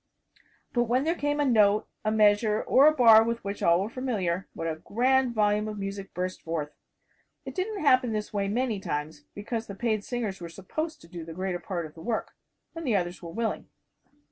But when there came a note, a measure or a bar with which all were familiar, what a grand volume of music burst forth. It didn't happen this way many times, because the paid singers were supposed to do the greater part of the work. And the others were willing.